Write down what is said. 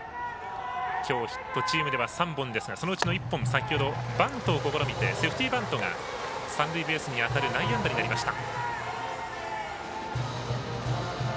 きょうヒットはチームでは６本ですが先ほど、バントを試みてセーフティーバントが三塁ベースに当たる内野安打になりました。